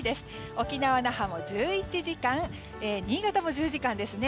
沖縄・那覇も１１時間新潟も１０時間ですね。